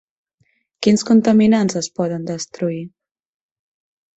Quins contaminants es poden destruir?